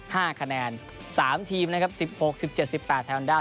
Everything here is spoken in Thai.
ห้าคะแนนสามทีมนะครับสิบหกสิบเจ็ดสิบแปดแทนด้า